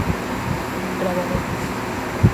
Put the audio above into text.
Gravador.